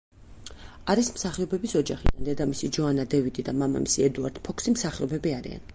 არის მსხიობების ოჯახიდან, დედამისი ჯოანა დევიდი და მამისი ედუარდ ფოქსი მსახიობები არიან.